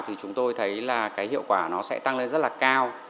thì chúng tôi thấy là cái hiệu quả nó sẽ tăng lên rất là cao